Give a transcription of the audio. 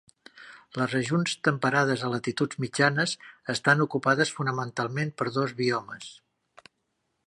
Les regions temperades a latituds mitjanes estan ocupades fonamentalment per dos biomes.